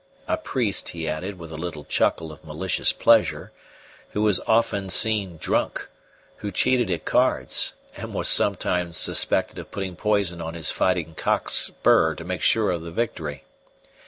A priest he added, with a little chuckle of malicious pleasure who was often seen drunk, who cheated at cards, and was sometimes suspected of putting poison on his fighting cock's spur to make sure of the victory!